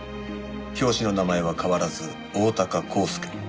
表紙の名前は変わらず大鷹公介。